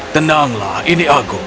tenanglah ini aku